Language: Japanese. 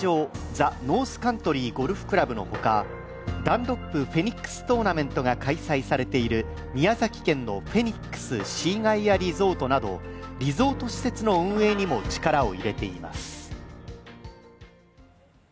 ザ・ノースカントリーゴルフクラブのほかダンロップフェニックストーナメントが開催されている宮崎県のフェニックス・シーガイア・リゾートなどリゾート施設の運営にも力を入れています。